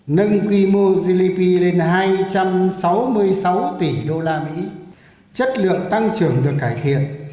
nâng quy mô gdp lên hai trăm sáu mươi sáu tỷ usd chất lượng tăng trưởng được cải thiện